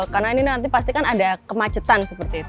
karena ini pasti ada kemacetan